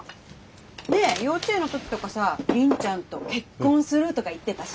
ねえ幼稚園の時とかさ凜ちゃんと結婚するとか言ってたし。